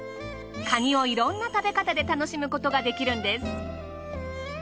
カニをいろんな食べ方で楽しむことができるんです。